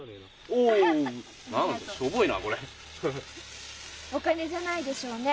お金じゃないでしょうね？